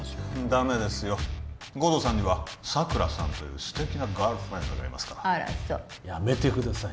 ダメですよ護道さんには佐久良さんという素敵なガールフレンドがいますからあらそうやめてください